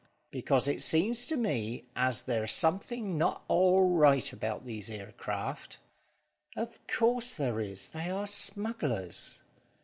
"Because it seems to me as there's something not all right about these here craft." "Of course there is, they are smugglers."